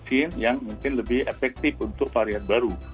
vaksin yang mungkin lebih efektif untuk varian baru